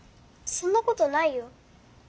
そんなことないよ。